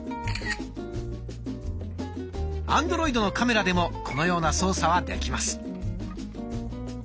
アンドロイドのカメラでもこのような操作はできます。